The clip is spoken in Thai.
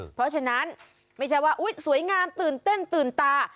เพราะฉะนั้นไม่ใช่ว่าอุ๊ยสวยงามตื่นเต้นตื่นตา